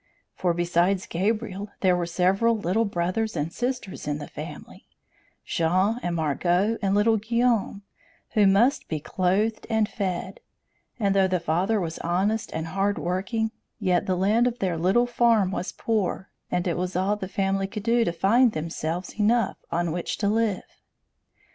For besides Gabriel, there were several little brothers and sisters in the family, Jean and Margot and little Guillaume, who must be clothed and fed; and though the father was honest and hard working, yet the land of their little farm was poor, and it was all the family could do to find themselves enough on which to live.